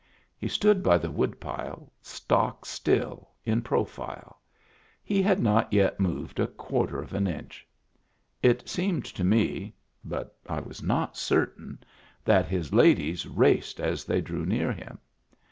He stood by the woodpile, stock still in profile ; he had not yet moved a quarter of an inch ; it seemed to me — but I was not certain — that his ladies raced as they drew near him.